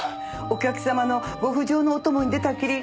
お客様のご不浄のお供に出たっきり